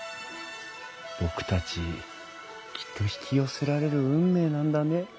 僕たちきっと引き寄せられる運命なんだね。